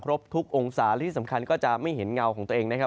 ทุกองศาและที่สำคัญก็จะไม่เห็นเงาของตัวเองนะครับ